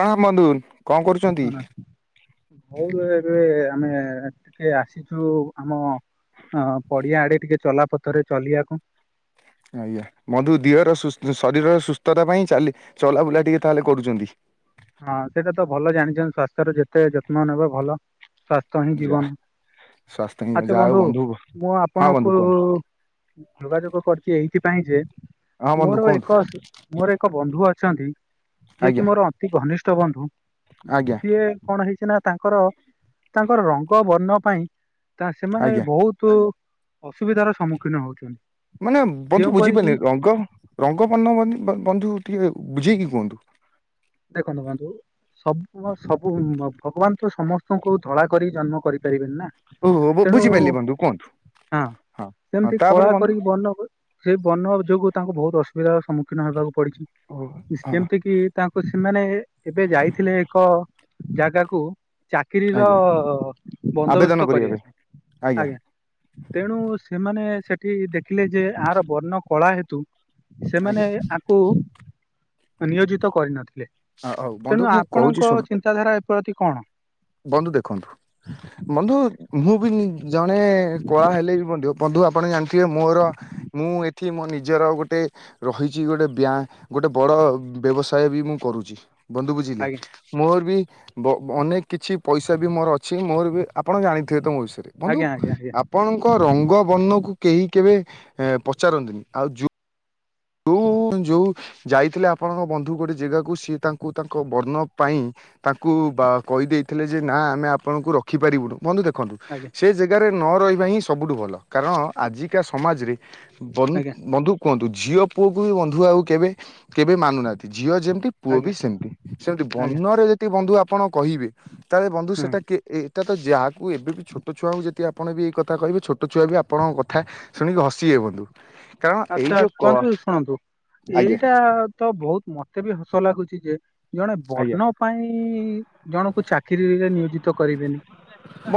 କଣ ବନ୍ଧୁ? କଣ କରୁଛନ୍ତି? ହଉ ଏବେ ଆମେ ଟିକେ ଆସିଛୁ ଆମ ହଁ ପଡିଆ ଆଡେ ଟିକେ ଚଲାପଥରେ ଚଲିବାକୁ। ଆଜ୍ଞା ମଧୁ ଦିହର ଶରୀରର ସୁସ୍ଥତା ପାଇଁ ଚା ଚଲାବୁଲା ଟିକେ ତାହେଲେ କରୁଛନ୍ତି? ହଁ ସେଇଟା ତ ଭଲ ଜାଣିଛନ୍ତି ସ୍ୱାସ୍ଥ୍ୟର ଯେତେ ଯତ୍ନ ନେବେ ଭଲ ସ୍ଵାସ୍ଥ୍ୟ ହିଁ ଯା ଜୀବନ। ସ୍ୱାସ୍ଥ୍ୟ ଆଛା ଯାହା ହଉ ବନ୍ଧୁ ମୁଁ ହଁ ବନ୍ଧୁ ଆପଣଙ୍କୁ କୁହନ୍ତୁ ଯୋଗାଯୋଗ କରିଛି ଏଇଥିପାଇଁ ଯେ ହଁ ବନ୍ଧୁ ମୋର କୁହନ୍ତୁ ଏକ ମୋର ଏକ ବନ୍ଧୁ ଅଛନ୍ତି ଯିଏ କି ଆଜ୍ଞା ମୋର ଅତି ଘନିଷ୍ଠ ବନ୍ଧୁ ଆଜ୍ଞା ସିଏ କଣ ହେଇଛି ନା ତାଙ୍କର ତାଙ୍କର ରଙ୍ଗ ବର୍ଣ୍ଣ ପାଇଁ ତା ସେମାନେ ଆଜ୍ଞା ବହୁତ ତୁ ଅସୁବିଧାର ସମ୍ମୁଖୀନ ହଉଥିବେ ତୁ ମାନେ ବନ୍ଧୁ ବୁଝି ପାରିଲିନି ରଙ୍ଗ ରଙ୍ଗ ବର୍ଣ୍ଣ ବନ୍ଧୁ ଟିକେ ବୁଝେଇକି କୁହନ୍ତୁ? ଦେଖନ୍ତୁ ବନ୍ଧୁ ସବୁ ସବୁ ଭଗବାନ ତ ସମସ୍ତଙ୍କୁ ଧଳା କରି ଜନ୍ମ କରିପାରିବେନି ନା? ଓହୋ ତେଣୁ ବୁଝିପାରିଲି ହଁ ବନ୍ଧୁ କୁହନ୍ତୁ ହଁ ହଁ ସେମିତି ତାପରେ କଳା ବନ୍ଧୁ କରିକି ବର୍ଣ୍ଣ ସେଇ ବର୍ଣ ଯୋଗୁ ତାଙ୍କୁ ବହୁତ ଅସୁବିଧାର ସମ୍ମୁଖୀନ ହେବାକୁ ପଡିଛି ଓହୋ ହଁ ଯେମିତି କିି ତାଙ୍କୁ ସେମାନେ ଏବେ ଯାଇଥିଲେ ଏକ ଜାଗାକୁୁ ଚାକିରିର ଆଜ୍ଞା ବନ୍ଦୋବସ୍ତ କରିବା ପାଇଁ, ଆଜ୍ଞା। ତେଣୁ ସେମାନେ ସେଠି ଦେଖିଲେ ଯେ ଆର ବର୍ଣ୍ଣ କଳା ହେତୁ ଆଜ୍ଞା ସେମାନେ ଆକୁ ନିୟୋଜିତ କରିନଥି ହଉ ବନ୍ଧୁ ତେଣୁ ମୁଁ କହୁଛି ଆପଣଙ୍କ ଶୁଣ ଚିନ୍ତାଧାରା ଏପ୍ରତି କଣ? ବନ୍ଧୁ ଦେଖନ୍ତୁ ବନ୍ଧୁ ମୁଁ ବି ନି ଜଣେ କୱା ହେଲେ ବି ମଧ୍ୟ ବନ୍ଧୁ ଆପଣ ଜାଣିଥିବେ ମୋର ମୁଁ ଏଠି ମୋ ନିଜର ଗୋଟେ ରହିଚି ଗୋଟେ ବ୍ୟା ଗୋଟେ ବଡ଼ ବ୍ୟବସାୟ ବି ମୁଁ କରୁଚି ବନ୍ଧୁ ବୁଝିଲେ ଆଜ୍ଞା ମୋର ବି ବ ଅନେକ କିଛି ପଇସା ବି ମୋର ଅଛି ମୋର ବି ଆପଣ ଜାଣିଥିବେ ତ ମୋ ବିଷୟରେ ବନ୍ଧୁ ଆଜ୍ଞା ଆଜ୍ଞା ଆଜ୍ଞା। ଆପ୍ ପଣଙ୍କ ରଙ୍ଗ ବର୍ଣକୁ କେହି କେବେ ପଚାରାନ୍ତିନି ଆଉ ଯୋ ଉଁ ଯେଉଁ ଯାଇଥିଲେ ଆପଣଙ୍କ ବନ୍ଧୁ ଗୋଟେ ଜେଗାକୁ ସିଏ ତାଙ୍କୁ ତାଙ୍କ ବର୍ଣ୍ଣ ପାଇଁ ତାଙ୍କୁ ବା କହିଦେଇଥିଲେ ଯେ ନା ଆମେ ଆପଣଙ୍କୁ ରଖିପାରିବୁନୁ ବନ୍ଧୁ ଦେଖନ୍ତୁ ଆଜ୍ଞା। ଏ ଯେଗାରେ ନ ରହିବା ହିଁ ସବୁଠୁ ଭଲ କାରଣ ଆଜିକା ସମାଜରେ ବନ୍ ଆଜ୍ଞା ବନ୍ଧୁ କୁହନ୍ତୁ ଜଝିଓ ପୁଅକୁ ବି ବନ୍ଧୁ ଆଉ କେବେ କେବେ ମାନୁନାତି ଝିଅ ଯେମତି ପୁଅ ଆଜ୍ଞା ବି ସେମତି ସେମତି ଆଜ୍ଞା ବଣ୍ଣରେ ଯତି ବନ୍ଧୁ ଆପଣ କହିବେ ତାହେଲେ ବନ୍ଧୁ ହଁ ସେଟା କେ ଏ ଏଟା ତ ଯାହାକୁ ଏବେ ବିି ଛୋଟ ଛୁଆଙ୍କୁ ଯତି ଆପଣ ବି ଏଇ କଥା କହିବେ ଛୋଟ ଛୁଆ ବି ଆପଣଙ୍କ କଥା ଶୁଣିକି ହସିଏ ବନ୍ଧୁ। କାରଣ ଆ ଏଇ ତ ଯୋଉ କ କୁହନ୍ତୁ ଶୁଣନ୍ତୁ ଆଜ୍ଞା ଏଇଟା ତ ବହୁତ ମତେ ବି ହସ ଲାଗୁଚି ଯେ ଜଣେ ଆଜ୍ଞା ବର୍ଣ୍ଣ ପାଇଁ ଜଣକୁ ଚାକିରିରେ ନିୟୋଜିତ କରିବେନି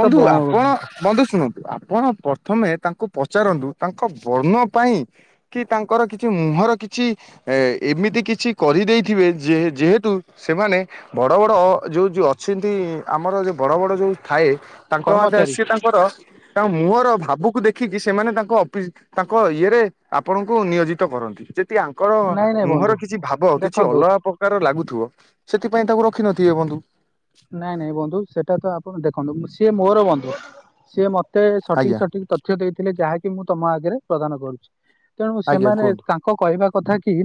ତ ବ ଆପଣ ବନ୍ଧୁ ଶୁଣନ୍ତୁ ଆପଣ ପ୍ରଥମେ ତାଙ୍କୁ ପଚାରନ୍ତୁ ତାଙ୍କ ବର୍ଣ୍ଣ ପାଇଁ କି ତାଙ୍କର କିଛି ମୁହଁର କିଛି ଏ ଏମିତି କିଛି କରିଦେଇଥିବେ ଯେ ଯେହେତୁ ସେମାନେ ବଡ ବଡ ଯୋଉ ଯୋଉ ଅଛିନ୍ତି ଆମର ଯୋଉ ବଡ ବଡ ଯୋଉ ଥାଏ ତାଙ୍କ ମାତେ କର୍ମଚାରୀ ସେ ତା କର ତାଙ୍କ ମୁହଁର ଭାବୁକୁ ଦେଖିକି ସେମାନେ ତାଙ୍କ ଅପିସ ତାଙ୍କ ଇଏରେ ଆପଣଙ୍କୁ ନିୟୋଜିତ କରନ୍ତି ଯେ ତି ଆଙ୍କର ନାଇଁ ନାଇଁ ବନ୍ଧୁ ମୁହଁର କିଛି ଭାବ କିଛି ଦେଖନ୍ତୁ ଅଲଗା ପ କାର ଲାଗୁଥିବ ସେଥିପାଇଁ ତାକୁ ରଖିିନଥିବେ ବନ୍ଧୁ। ନାଇଁ ନାଇଁ ବନ୍ଧୁ ସେଟା ତ ଆପଣ ଦେଖନ୍ତୁ ସିଏ ମୋର ବନ୍ଧୁ ସିଏ ମତେ ସଠିକ ଆଜ୍ଞା ସଠିକ ତ ଥ୍ୟ ଦେଇଥିଲେ ଯାହାକି ମୁଁ ତମ ଆଗରେ ପ୍ରଦାନ କରୁଚିି ତେଣୁ ଆଜ୍ଞା ସେମାନେ କୁହନ୍ତୁ ତା ଙ୍କ କହିବା କଥା କି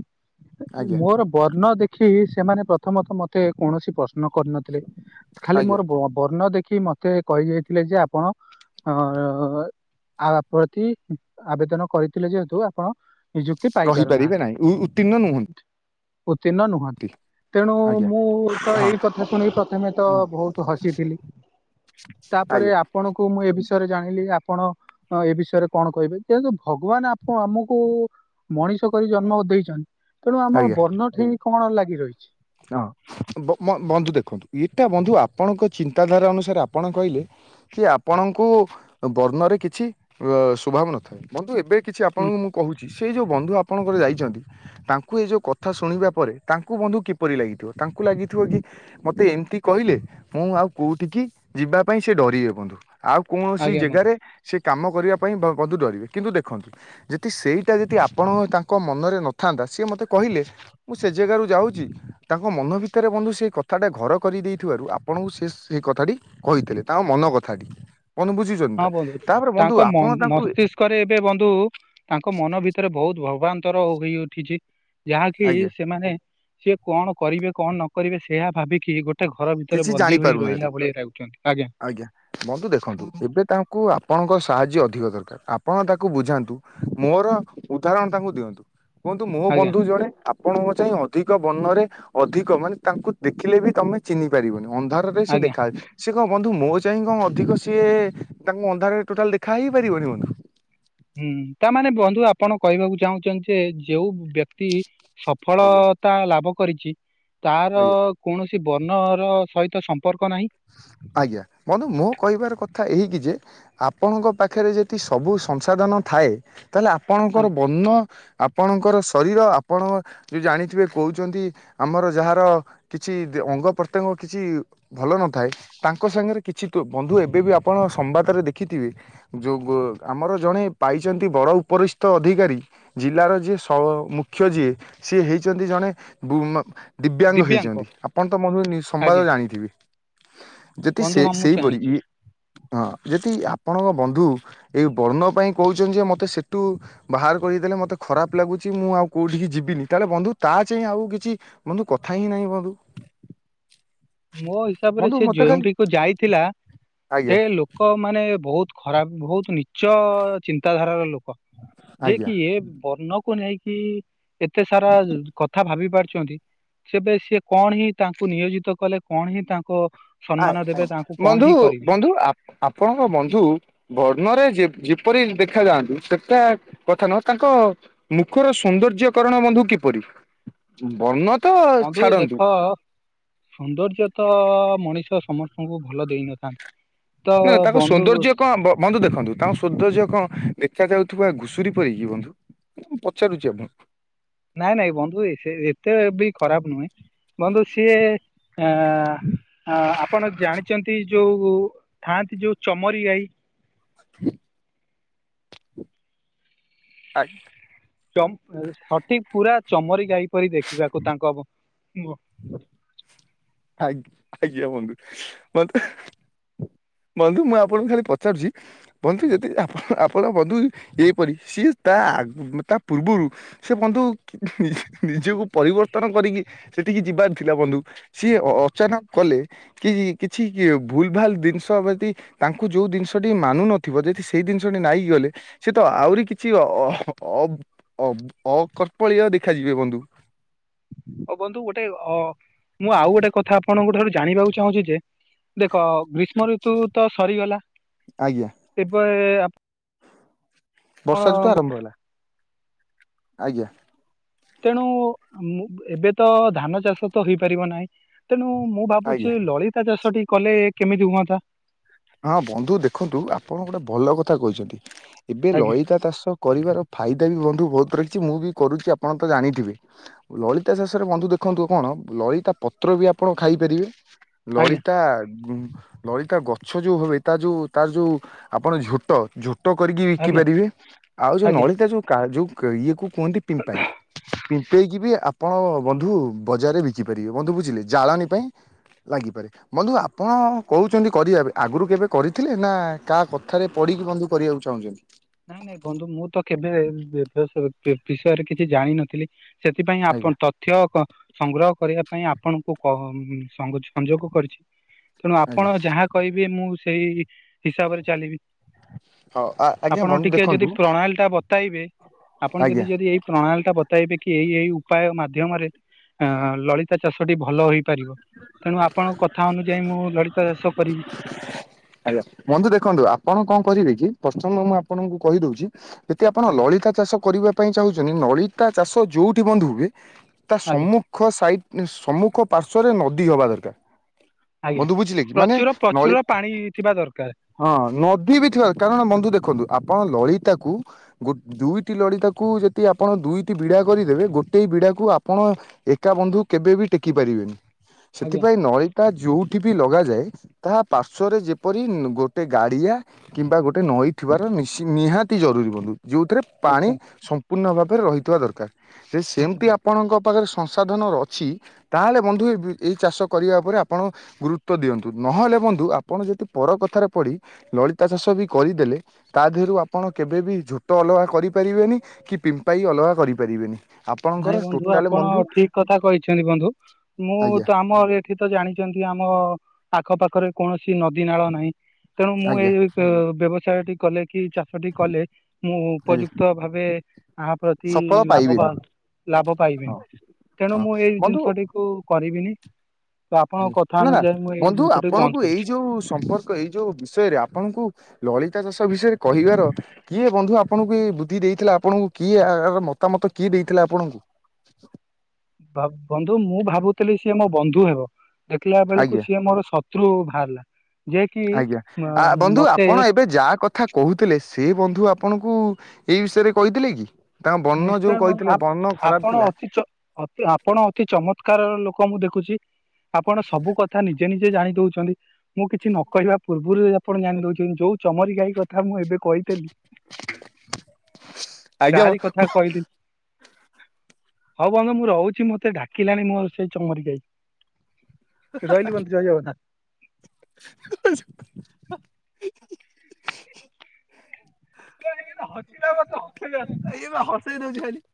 ଆଜ୍ଞା ମୋର ବର୍ଣ୍ଣ ଦେଖି ସେମାନେ ପ୍ରଥମତଃ ମତେ କୌଣସି ପ୍ରଶ୍ନ କରିନଥିଲେ ଖାଲି ଆଜ୍ଞା ମୋର ବୋ ବ ବର୍ଣ୍ଣ ଦେଖି ମତେ କହିକି ଯାଇଥିଲେ ଯେ ଆପଣ ଅ ଆ ପ୍ରତି ଆବେଦନ କରିଥିଲେ ଯେହେତୁ ଆପଣ ନିଯୁକ୍ତି ପାଇ ରହିପାରିବେ ପାରୁନାହାତି। ନାହିଁ ଉତ୍ତୀର୍ଣ୍ଣ ନୁହନ୍ତି ଉତ୍ତୀର୍ଣ୍ଣ ନୁହତି ତେଣୁ ଆଜ୍ଞା ମୁଁ ତ ହଁ ଏଇ କଥା ଶୁଣିକି ପ୍ର ଥମେତ ବହୁତ ହସିଥିଲି ତାପରେ ଆଜ୍ଞା ଆପ୍ ପଣକୁ ମୁଁ ଏ ବିଷରେ ଜାଣିଲି ଆପଣ ଏ ବିଷୟରେ କଣ କହିବେ ତେଦୁ ଭଗବାନ ଆପ ଆମକୁ ମଣିଷ କରି ଜନ୍ମ ଦେଇଚନ୍ ତେଣୁ ଆମ ଆଜ୍ଞା ବର୍ଣ୍ଣ ଠେଇ କଣ ଲାଗି ରହିଚି? ହଁ ବ ବନ୍ ବନ୍ଧୁ ଦେଖନ୍ତୁ ଇଟା ବନ୍ଧୁ ଆପଣଙ୍କ ଚିନ୍ତାଧାରା ଅନୁସାରେ ଆପଣ କହିଲେ କି ଆପଣଙ୍କୁ ବର୍ଣ୍ଣରେ କିଛି ଅ ସୁଭାବ ନଥାଏ ବନ୍ଧୁ ଏବେ କିଛି ହୁଁ ଆପଣଙ୍କୁ ମୁଁ କହୁଚି ସେ ଯୋଉ ବନ୍ଧୁ ଆପଣଙ୍କର ଯାଇଚନ୍ତି ତାଙ୍କୁ ଏଇ ଯୋଉ କଥା ଶୁଣିବା ପରେ ତାଙ୍କୁ ବନ୍ଧୁ କି ପରି ଲାଗିଥିବ ତାଙ୍କୁ ଲାଗିଥିବ କି ମତେ ଏମତି କହିଲେ ମୁଁ ଆଉ କୋଉଠିକି ଯିବା ପାଇଁ ସେ ଡରିବେ ବନ୍ଧୁ। ଆଉ କୌଣସି ଆଜ୍ଞା ବନ୍ଧୁ। ଜାଗାରେ ସେ କାମ କରିବା ପାଇଁ ଡ ବନ୍ଧୁ ଡରିବେ କିନ୍ତୁ ଦେଖନ୍ତୁ ଜିତି ସେଇଟା ଜିତି ଆପଣ ତାଙ୍କ ମନରେ ନଥାନ୍ତା ସିଏ ମୋତେ କହିଲେ ମୁଁ ସେ ଯେଗାରୁ ଯାଉଚି ତାଙ୍କ ମନ ଭିତରେ ବନ୍ଧୁ ସେ କଥାଟା ଘର କରିଦେଇଥିବାରୁ ଆପଣଙ୍କୁ ସିଏ ସେ କଥାଟି କହିଥିଲେ ତାଙ୍କ ମନ କଥାଟି ମନେ ବୁଝିଛନ୍ତି ତା ତାପରେ ବନ୍ଧୁ ଆପଣ ତାଙ୍କୁ ଏ କରେ ଏବେ ବନ୍ଧୁ ତାଙ୍କ ମନ ଭିତରେ ବହୁତୁ ଭବାନ୍ତର ହୋଇ ଉଠିଛି। ଯାହାକି ଆଜ୍ଞା ସେମାନେ ସିଏ କଣ କରିବେ କଣ ନ କରିବେ ସେ ଭାବିକି ଗୋଟେ ଗୋଟେ ଘର ଭିତରେ କିଛି ଜାଣି ବନ୍ଦୀ ହୋଇ ପାରୁନାହାନ୍ତି ରହିଲା ଭଳିଆ ଯହୁଛନ୍ତି ଆଜ୍ଞା। ବନ୍ଧୁ ଦେଖନ୍ତୁ ଏବେ ତାଙ୍କୁ ଆପଣଙ୍କ ସାହାଯ୍ୟ ଅଧିକ ଦରକାର। ଆପଣ ତାକୁ ବୁଝାନ୍ତୁ ମୋର ଉଦାହରଣ ତାଙ୍କୁ ଦିଅନ୍ତୁ। କୁହନ୍ତୁ ମୋ ଆଜ୍ଞା ବନ୍ଧୁ ଜଣେ ଆ ଆପଣଙ୍କୁ ଚାହିଁ ଅଧିକ ବର୍ଣ୍ଣରେ ଅଧିକ ମାନେ ତାଙ୍କୁ ଦେଖିଲେ ବି ତମେ ଚିହ୍ନି ପାରିବନି ଅନ୍ଧାର ଅନ୍ଧାରକୁ ବି ସେ ଆଜ୍ଞା ଦେଖାହେବେ। ସେ କଣ ବନ୍ଧୁ ମୋ ଚାହିଁ କଣ ଅଧିକ ସିଏ ତାଙ୍କୁ ଅନ୍ଧାରେରେ ଟୋଟାଲ୍ ଦେଖା ହେଇପାରିବନି ବନ୍ଧୁ? ହୁଁ ତାମାନେେ ବନ୍ଧୁ ଆପଣ କହିବାକୁ ଚାହୁଁଛନ୍ତି ଯେ ଯୋଉ ବ୍ୟକ୍ତି ସଫଳ ଆଜ୍ଞା ଅ ତା ଲାଭ କରିଚି ତାର ଆଜ୍ଞା କୌଣସି ବର୍ଣ୍ଣ ର ସହିତ ସମ୍ପର୍କ ନାହିଁ। ଆଜ୍ଞା ବନ୍ଧୁ ମୋ କହିବାର କଥା ଏହିକି ଯେ ଆପଣଙ୍କ ପାଖରେ ଯଦି ସବୁ ସଂସାଧନ ଥାଏ ତାହେଲେ ଆପଣଙ୍କର ଆଜ୍ଞା ବର୍ଣ୍ଣ ଆପଣଙ୍କର ଶରୀର ଆପଣ ଯୋଉ ଜାଣିଥିବେ କହୁଛନ୍ତି ଆମର ଯାହାର କିଛି ଅଙ୍ଗ ପ୍ରତ୍ୟଙ୍ଗ କିଛି ଭଲ ନ ଥାଏ ତାଙ୍କ ସାଙ୍ଗରେ କିଛି ତ ବନ୍ଧୁ ଏବେ ବି ଆପଣ ସମ୍ବାଦରେ ଦେଖିଥିବେ ଯଉ ଗୋ ଆମର ଜଣେ ପାଇଛନ୍ତି ବଡ଼ ଉପରିଷ୍ଠ ଅଧିକାରୀ ଜିଲ୍ଲାର ଯିଏ ସ ମୁଖ୍ୟ ଯିଏ ସିଏ ହେଇଛନ୍ତି ଜଣେ ବୁମ ଦିବ୍ୟାଙ୍ଗ ଦିବ୍ୟାଙ୍କ ହୋଇଇଛନ୍ତି ଆପଣ ତମ ସମ୍ବାଦ ଆଜ୍ଞା ଜାଣିଥିବେ। ଯଦି ବନ୍ଧୁ ସେ ହଁ ମୁଁ ସେଇପରି ଜାଣିଛି ଇ ହଁ ଯଦି ଆପଣଙ୍କ ବନ୍ଧୁ ଏଇ ବର୍ଣ୍ଣ ପାଇଁ କହୁଛନ୍ତି ଯେ ମତେ ସେଠୁ ବାହାର କରିଦଦେଲେ ମତେ ଖରାପ୍ ଲାଗୁଛି ମୁଁ ଆଉ କୋଉଠିକି ଯିବିନି ତାହେଲେ ବନ୍ଧୁ ତା ଚାହିଁ ଆଉ କିଛି ବନ୍ଧୁ କଥା ହିଁ ନାହିଁ ବନ୍ଧୁ। ମୋ ହିସାବରେ ବନ୍ଧୁ ସେ ମତେ ଖାଲି ଯଉଁଠିକୁ ଯାଇଥିଲା ସେ ଆଜ୍ଞା ଲୋକ ଲୋକ ମାନେ ବହୁତ ଖରାପ୍ ବହୁତ ନିଚ ଚିନ୍ତାଧାରାର ଲୋକ। ଯେ ଆଜ୍ଞା କି ଏ ବର୍ଣ୍ଣକୁ ନେଇ କିି ଏତେ ସାରା କଥା ଭାବି ପାରୁଛନ୍ତି ସେବେ ସିଏ କଣ ହିଁ ତାଙ୍କୁ ନିୟୋଜିତ କଲେ କଣ ହିଁ ତାଙ୍କ ଆ- ସମ୍ମାନ ଆ ଦେବେ ତାଙ୍କୁ କଣ ବନ୍ଧୁ ହିଁ କରିବେ ବନ୍ଧୁ ଆପ ଆପଣଙ୍କ ବନ୍ଧୁ ବର୍ଣ୍ଣରେ ଯେପରି ଦେଖା ଯାଆନ୍ତୁ ସେଟା କଥା ନୁହଁ ତାଙ୍କ ମୁଖର ସୌନ୍ଦର୍ଯ୍ୟକରଣ ବନ୍ଧୁ କିପରି ବର୍ଣ୍ଣତ ବନ୍ଧୁ ଦେଖ ସୌନ୍ଦର୍ଯ୍ୟ ତ ମଣିଷ ସମସ୍ତଙ୍କୁ ଭଲ ଦେଇନଥାନ୍ତି। ତ ନା ତାକୁ ବନ୍ଧୁ ସୌନ୍ଦର୍ଯ୍ୟ କଣ ବ ବନ୍ଧୁ ଦେଖନ୍ତୁ ତା ସୌନ୍ଦର୍ଯ୍ୟ କଣ ଦେଖା ଯାଉଥିବା ଘୁଷୁରୀ ପରିକି ବନ୍ଧୁ? ମୁଁ ପଚାରୁଛି ଆପଣଙ୍କୁ। ନାଇଁ ନାଇଁ ବନ୍ଧୁ ସେ ଏତେ ବି ଖରାପ ନୁହେଁ ବନ୍ଧୁ ସିଏ ଆଁ ଆଁ ଆପଣ ଜାଣିଛନ୍ତି ଯୋଉ ଥାଆନ୍ତି ଯୋଉ ଚମରି ଗାଈ? ହୁଁ। ଆଜ୍ଞ ଚମ ସଠିକ୍ ପୁରା ଚମରି ଗାଈ ପରି ଦେଖିବାକୁ ତାଙ୍କ ମୁହଁ। ଆଜ୍ଞା ଆଜ୍ଞା ବନ୍ଧୁ ବନ୍ଧୁ ବନ୍ଧୁ ମୁଁ ଆପଣଙ୍କୁ ଖାଲି ପଚାରୁଛି? ବନ୍ଧୁ ଯଦି ଆପଣ ଆପଣ ବନ୍ଧୁ ଏହିପରି ସିଏ ତା ଆଗ ତା ପୂର୍ବରୁ ସେ ବନ୍ଧୁ ନିଜ ନିଜକୁ ପରିବର୍ତ୍ତନ କରିକି ସେଠିକି ଯିବାର ଥିଲା ବନ୍ଧୁ। ସିଏ ଅ-ଅଚାନକ କଲେ କି କିଛି କିଏ ଭୁଲ ଭାଲ ଜିନିଷ ଯଦି ତାଙ୍କୁ ଯୋଉ ଜିନିଷଟି ମାନୁ ନଥିବ ଯଦି ସେଇ ଜିନିଷଟି ନାଇଁ ଗଲେ ସେ ତ ଆହୁରି କିଛି ଅ-ଅ-ଅ-ଅ-ଅକପଳୀୟ ଦେଖାଯିବେ ବନ୍ଧୁ। ଓ ବନ୍ଧୁ ଗୋଟେ ଅ ମୁଁ ଆଉ ଗୋଟେ କଥା ଆପଣଙ୍କ ଠାରୁ ଜାଣିବାକୁ ଚାହୁଁଛି ଯେ ଦେଖ ଗ୍ରୀଷ୍ମ ଋତୁ ତ ସରିଗଲା ଆଜ୍ଞା ଏବେ ଆପ ବର୍ଷା ରୁତୁ ଆରମ୍ଭ ହେଲା। ଆଜ୍ଞା। ତେଣୁ ଏବେ ମୁଁ ତ ଧାନ ଚାଷ ତ ହେଇପାରିବ ନାହିଁ। ତେଣୁ ମୁଁ ଆଜ୍ଞା ଭାବୁଛି ଲଳିତା ଚାଷଟି କଲେ କେମିତି ହୁଅନ୍ତା? ହଁ ବନ୍ଧୁ ଦେଖନ୍ତୁ ଆପଣ ଗୋଟେ ଭଲ କଥା କହିଛନ୍ତି ଏବେ ଆଜ୍ଞା ଲଳିତା ଚାଷ କରିବାର ଫାଇଦା ବି ବନ୍ଧୁ ବହୁତ ରହିିଛି ମୁଁ ବି କରୁଛି ଆପଣ ତ ଜାଣିଥିବେ। ଲଳିତା ଚାଷରେ ବନ୍ଧୁ ଦେଖନ୍ତୁ କଣ ଲଳିତା ପତ୍ର ବି ଆପଣ ଖାଇପାରିବେ ଆଜ୍ଞା ଲଳିତା ଲଳିତା ଗ ଗଛ ଯୋଉ ହବ ତା ଯୋଉ ତା ଯୋଉ ଆପଣ ଝୋଟ ଝୋ ଟ କରିକି ବିକି ଆଜ୍ଞା ପାରିବେ। ଆଉ ଯୋଉ ଆଜ୍ଞା ନଳିତା ଯୋଉ ଯୋଉ କା ଜୁ ଇଏ କ କୁହନ୍ତି ପିମ୍ପାଇ ପିମ୍ପେଇକି ବି ଆ ପଣ ବନ୍ଧୁ ବଜାରରେ ବିକିପାରିବେ ବନ୍ଧୁ ବୁଝିଲେ ଜାଳେଣୀ ପାଇଁ ଲାଗିପାରେ ବନ୍ଧୁ ଆପଣ କହୁଛନ୍ତି କରିବା ଏବେ ଆଗରୁ କେବେ କରିଥିଲେ ନା କାହା କଥାରେ ପଢିକି ବନ୍ଧୁ କରିବାକୁ ଚାହୁଁଛନ୍ତି? ନାଇଁ ନାଇଁ ବନ୍ଧୁ ମୁଁ ତ କେବେ ଏ ବିଷୟରେ କିଛି ଜାଣିନଥିଲି। ସେଥିପାଇଁ ଆପଣ ଆଜ୍ଞା ତ ତଥ୍ୟ ସ ସଂଗ୍ରହ କରିବା ପାଇଁ ଆପଣଙ୍କୁ କ ସଂଯୋଗ କରିଛି। ତେଣୁ ଆଜ୍ଞା ଆପଣ ଯାହା କହିବେ ମୁଁ ସେଇ ହିସାବରେ ଚାଲିବି। ହଉ ଆଜ୍ଞା ଆପଣ ବନ୍ଧୁ ଟିକେ ଯଦି ଦେଖନ୍ତୁ ପ୍ରଣାଳୀ ଟା ବତାଇବେ ଆପଣ ଯଦି ଆଜ୍ଞା ଯଦି ଏଇ ପ୍ରଣାଳୀ ଟା ବ ଇବେ କି ଏଇ ଏଇ ଉପାୟ ମାଧ୍ୟମରେ ଆ ଏ ଲଳିତା ଚାଷଟି ଭଲ ହୋଇ ପାରିବ ତେଣୁ ଆପଣଙ୍କ କଥା ଅନୁଯାୟୀ ମୁଁ ଲଳିତା ଚାଷ କରିବି। ଆଜ୍ଞା। ବନ୍ଧୁ ଦେଖନ୍ତୁ ଆପଣ କଣ କରିବେ କି ପ୍ରଥମ ମୁଁ ଆପଣଙ୍କୁ କହିଦଉଛି ଯଦି ଆପଣ ଆଜ୍ଞା ଲଳିତା ଚାଷ କରିବା ପାଇଁ ଚାହୁଁଛନ୍ତି ଲଳିତା ଚାଷ ଯୋଉଠି ବନ୍ଧୁ ହୁଏ ତା ଆଜ୍ଞା ସମ୍ମୁଖ ସାଇଟ ସମ୍ମୁଖ ପାର୍ଶରେ ନଦୀ ହବା ଦରକାର। ଆଜ୍ଞା ବନ୍ଧୁ ବୁଝିଲେ କି ମାନେ ପ୍ରଚୁର ନଳି ପ୍ରଚୁର ପାଣି ଥିବା ଦରକାର ହଁ ନଦୀ ବି ଥିବ କାରଣ ବନ୍ଧୁ ଦେଖନ୍ତୁ ଆପଣ ଲଳିତାକୁ ଗୋ ଦୁଇଟି ଲଡିତାକୁ ଯଦି ଆପଣ ଦୁଇଟି ବିଡା କରିଦେବେ ଗୋଟେ ବିଡାକୁ ଆପଣ ଏକା ବନ୍ଧୁ କେବେ ବି ଟେକି ପାରିବେନି ଆଜ୍ଞା ସେଥିପାଇଁ ନଳି ତା ଯୋଉଠି ବି ଲଗାଯାଏ ତାହା ପାଶ୍ଵରେ ଯେପରି ଗୋଟେ ଗାଡିଆ କିମ୍ବା ଗୋଟେ ନଈ ଥିବାର ନିଞ୍ଚ ନିହାତି ଜରୁରୀ ବନ୍ଧୁ ଯୋଉଥିରେ ପାଣି ଆଚ୍ଛା ସମ୍ପୂର୍ଣ୍ଣ ଭାବରେ ରହିଥିବା ଦରକାର ସେ ଆଚ୍ଛା ସେମିତି ଆ ଆପଣଙ୍କ ପାଖରେ ସଂସାଧନ ଅଛି ତାହେଲେ ବନ୍ଧୁ ଏଇ ଚାଷ କରିବା ଉପରେ ଆପଣ ଗୁରୁତ୍ୱ ଦିଅନ୍ତୁ। ନହେଲେ ବନ୍ଧୁ ଆପଣ ଯଦି ପର କଥାରେ ପଡି ଲଳିତା ଚାଷ ବି କରିଦେଲେ ତା ଦେହରୁ ଆପଣ କେବେ ବିି ଝୋଟ ଅଲଗା କରିପାରିବେନି କି ପିମ୍ପାଇ ଅଲଗା କରିପାରିବେନି। ଆପଣଙ୍କର ଟୋଟାଲ ବନ୍ଧୁ ଠିକ୍ କଥା କହିଛନ୍ତି ବନ୍ଧୁ ମୁଁ ଆଜ୍ଞା ତ ଆମ ଏ ଏଠି ତ ଜାଣିଛନ୍ତି ଆମ ଆଖପାଖରେ କୌଣସି ନଦୀ ନାଳ ନାହିଁ। ତେଣୁ ମୁଁ ଆଜ୍ଞା ଏଇ ବ୍ୟ ବ୍ୟବସାୟଟି କଲେ କି ଚା ସେଠି କଲେ ମୁଁ ଆଜ୍ଞା ଉପଯୁକ୍ତ ଭାବେ ଆହା ପ୍ରତି ସଫଳ ପାଇବେନି ଲାଭବାନ ଲାଭ ପାଇବିନି ହଁ ତେଣୁ ହଁ ମୁଁ ଏଇ ବନ୍ଧୁ ଜିନିଷଟିକୁ କରିବିନି। ତ ଆପଣଙ୍କ କଥା ଆଜ୍ଞା। ନାଁ ନାଁ ଅନୁଯାୟୀ ମୁଁ ଏଇ ବନ୍ଧୁ ଜିନିଷଟିକୁ ବନ୍ଦ ଆପଣଙ୍କୁ ଏଇ କରୁଛି ଯୋଉ ସମ୍ପର୍କରେ ଏଇ ଯୋଉ ବିଷୟରେ ଆପଣଙ୍କୁ ଲଳିତା ଚାଷ ବିଷୟରେ କହିବାର ଅ କିଏ ବନ୍ଧୁ ଆପଣଙ୍କୁ ଏ ବୁଦ୍ଧି ଦେଇଥିଲା ଆପଣଙ୍କୁ କିଏ ମତାମତ କିଏ ଦେଇଥିଲା ଆପଣଙ୍କୁ? ବନ୍ଧୁ ମୁଁ ଭାବୁଥିଲି ସିଏ ମୋ ବନ୍ଧୁ ହେବେ ଦେଖିଲା ବେଳକୁ ଆଜ୍ଞା ସିଏ ମୋର ସ ତୃ ବାହାରିଲା। ଯିଏ କି ଆଜ୍ଞା ଆ ମ- ବନ୍ଧୁ ମତେ ଆପଣ ଏବେ ଯାହା କଥା କହୁଥିଲେ ସେ ବନ୍ଧୁ ଆପଣଙ୍କୁ ଏଇ ବିଷୟରେ କହିଥିଲେ କି? ତାଙ୍କ ବର୍ଣ୍ଣ ଯୋଉ ନିଶ୍ଚୟ ବନ୍ଧୁ ଆ କହିଥିଲେ ବର୍ଣ୍ଣ ଖରାପ ଆପଣ ଥିଲା ଅତି ଚ ଅତି ଆପଣ ଅତି ଚମତ୍କାର ଲୋକ ମୁଁ ଦେଖୁଛି ଆପଣ ସବୁ କଥା ନିଜେ ନିଜେ ଜାଣି ଦଉଛନ୍ତି। ମୁଁ କିଛି ନ କହିବା ପୂର୍ବରୁ ଆପଣ ଜାଣି ଦଉଛନ୍ତି ଯୋଉ ଚମରି ଗାଈ କଥା ମୁଁ ଏବେ କହିଥିଲି ଆଜ୍ଞା ତାରି କଥା କହିଲି। ହଉ ବନ୍ଧୁ ମୁଁ ରହୁଛି ମତେ ଡାକିଲାଣି ମୋର ସେଇ ଚମରୀ ଯାଇ। ରହିଲି ବନ୍ଧୁ ଜୟ ଜଗନ୍ନାଥ। ହସିଲା ବେଳେ ତ ହସି ଯାଉଅଛି। ଏଇ ପା ହସେଇ ଦଉଛି ଖାଲି।